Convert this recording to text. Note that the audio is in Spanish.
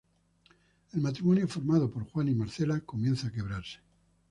El matrimonio formado por Juan y Marcela comienza a quebrarse.